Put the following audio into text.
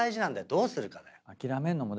どうするかだよ。